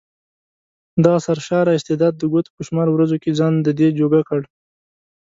دغه سرشاره استعداد د ګوتو په شمار ورځو کې ځان ددې جوګه کړ.